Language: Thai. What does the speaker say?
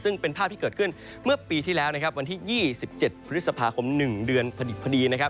ซึ่งเป็นภาพที่เกิดขึ้นเมื่อปีที่แล้วนะครับวันที่๒๗พฤษภาคม๑เดือนพอดีนะครับ